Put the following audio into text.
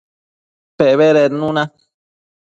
Pebedednu na